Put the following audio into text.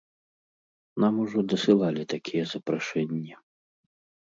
Нам ужо дасылалі такія запрашэнні.